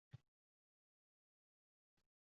Keyin bugun rosa uch oylik bo‘lgan.